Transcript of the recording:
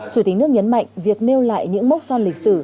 chủ tịch nước nhấn mạnh việc nêu lại những mốc son lịch sử